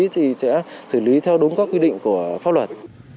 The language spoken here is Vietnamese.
thì sẽ xử lý theo đúng các quy định của pháp luật